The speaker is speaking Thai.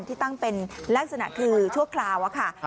ที่ตั้งเป็นลักษณะคือชั่วคราวอะค่ะ